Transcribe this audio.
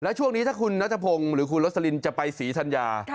แล้วช่วงนี้ถ้าคุณนัทพงศ์หรือคุณรสลินจะไปศรีธัญญา